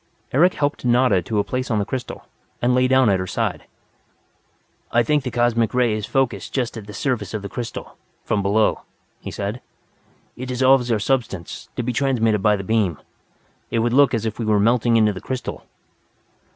Eric helped Nada to a place on the crystal, lay down at her side. "I think the Express Ray is focused just at the surface of the crystal, from below," he said. "It dissolves our substance, to be transmitted by the beam. It would look as if we were melting into the crystal."